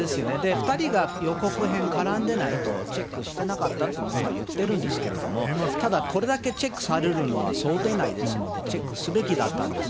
２人が予告編、絡んでないと、チェックしてなかったとも今、言ってるんですけども、ただこれだけチェックされるのは、想定内ですので、チェックすべきだったんです。